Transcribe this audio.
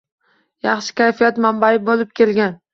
Yaxshi kayfiyat manbai bo‘lib kelgan.